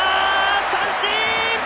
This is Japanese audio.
三振！